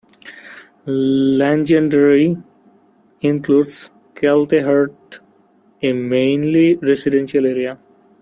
Langendreeer includes Kaltehardt, a mainly residential area.